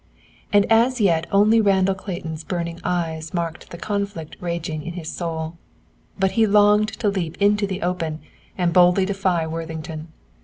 And as yet only Randall Clayton's burning eyes marked the conflict raging in his soul. But he longed to leap into the open, and boldly defy Worthington.